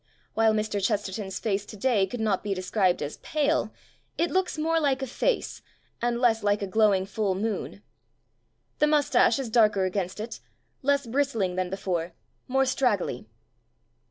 While Mr. Chesterton's face today could not be described as pale, it looks more like a face and less like a glowing full moon. The moustache is darker against it; less bristling than before, more straggly.